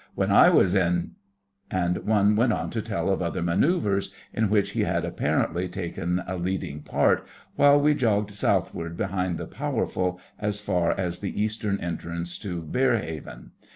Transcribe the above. When I was in——' And one went on to tell of other Manœuvres in which he had apparently taken a leading part, while we jogged Southward behind the Powerful as far as the Eastern entrance to Berehaven.